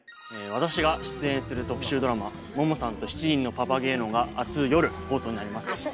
私が出演する特集ドラマ「ももさんと７人のパパゲーノ」が明日よる放送になります。